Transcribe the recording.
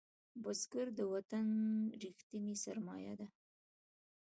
بزګر د وطن ریښتینی سرمایه ده